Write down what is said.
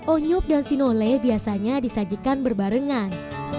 onyub dan sinole biasanya disajikan berbarengan